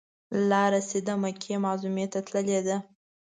دا لاره سیده مکې معظمې ته تللې ده.